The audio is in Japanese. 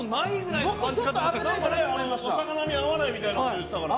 燭お魚に合わないみたいなこと言ってたから。